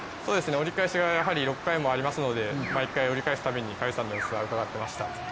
折り返しが６回もありますので、毎回折り返すたびに川内さんの様子はうかがっていました。